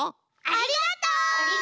ありがとう！